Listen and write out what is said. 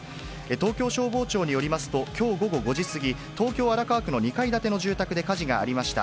東京消防庁によりますと、きょう午後５時過ぎ、東京・荒川区の２階建ての住宅で火事がありました。